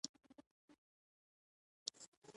• شیدې د هډوکو د درد لپاره ګټورې دي.